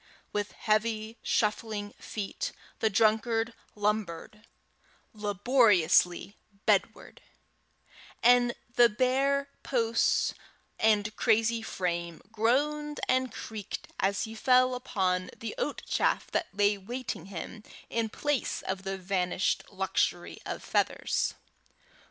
With heavy shuffling feet the drunkard lumbered laboriously bedward; and the bare posts and crazy frame groaned and creaked as he fell upon the oat chaff that lay waiting him in place of the vanished luxury of feathers.